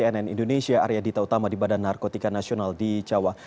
di cnn indonesia area dita utama di badan narkotika nasional di cawa